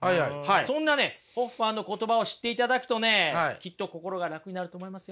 そんなねホッファーの言葉を知っていただくとねきっと心が楽になると思いますよ。